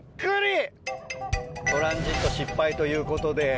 トランジット失敗ということで。